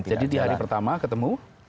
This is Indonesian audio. jadi di hari pertama ketemu